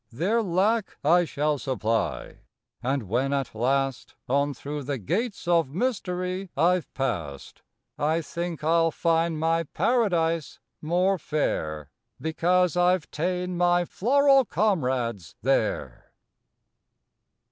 Their lack I shall supply, and when at last On through the Gates of Mystery I ve passed I think I ll find my Paradise more fair Because I ve ta en my floral comrades there.